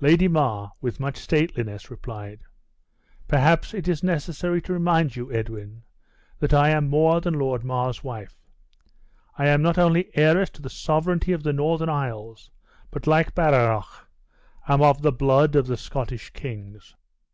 Lady mar, with much stateliness, replied, "Perhaps it is necessary to remind you, Edwin, that I am more than Lord Mar's wife. I am not only heiress to the sovereignty of the northern isles, but, like Badenoch, am of the blood of the Scottish kings."